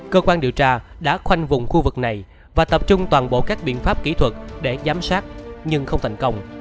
cơ quan điều tra đã khoanh vùng khu vực này và tập trung toàn bộ các biện pháp kỹ thuật để giám sát nhưng không thành công